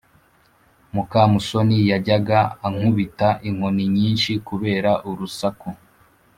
Mukamusoni yajyaga ankubita inkoni nyinshi kubera urusaku